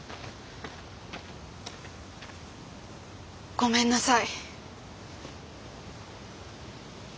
ごめんなさい。